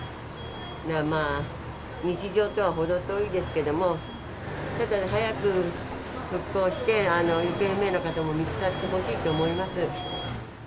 まあ、日常とは程遠いですけども、だから早く復興して、行方不明の方も見つかってほしいと思います。